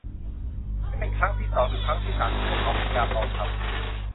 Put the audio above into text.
นี่เป็นครั้งที่สอง หรือครั้งที่สามที่พวกเขาพยายามลองทำ